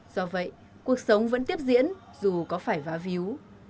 do vậy cuộc sống vẫn tiếp diễn dù có phải vá víu